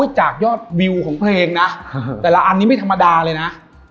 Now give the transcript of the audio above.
จากยอดวิวของเพลงนะแต่ละอันนี้ไม่ธรรมดาเลยนะ